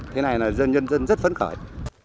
thế này là dân dân rất phấn khởi